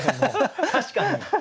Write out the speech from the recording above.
確かに。